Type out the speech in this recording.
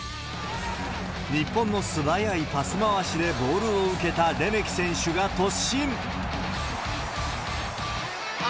日本の素早いパス回しでボールを受けたレメキ選手が突進。